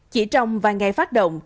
chỉ trong vài ngày phát động